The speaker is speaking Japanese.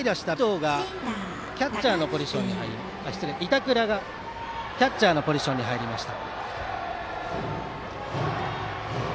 板倉がキャッチャーのポジションに入りました。